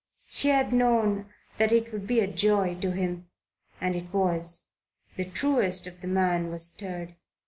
She had known that it would be a joy to him; and it was. The truest of the man was stirred.